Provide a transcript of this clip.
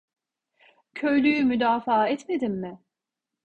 Köylüyü müdafaa etmedim mi?